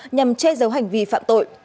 nhằm che giấu hành vi phạm tội